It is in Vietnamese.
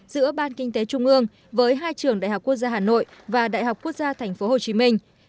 giữa ban kinh tế trung ương với hai trường đại học quốc gia hà nội và đại học quốc gia tp hcm